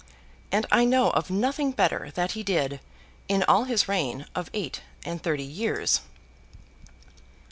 And I know of nothing better that he did, in all his reign of eight and thirty years.